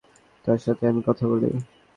তার সাথে আমি কথা বলি।